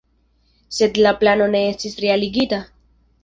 Sed la plano ne estis realigita.